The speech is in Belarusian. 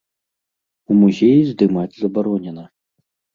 У музеі здымаць забаронена.